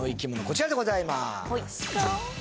こちらでございます。